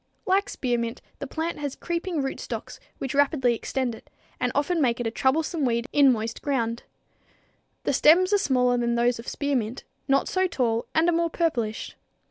_ Like spearmint, the plant has creeping rootstocks, which rapidly extend it, and often make it a troublesome weed in moist ground. The stems are smaller than those of spearmint, not so tall, and are more purplish.